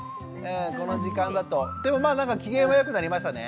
この時間だとでもなんか機嫌は良くなりましたね。